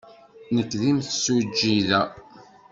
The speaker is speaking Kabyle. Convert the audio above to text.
Nekk d timsujjit da.